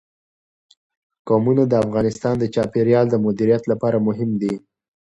قومونه د افغانستان د چاپیریال د مدیریت لپاره مهم دي.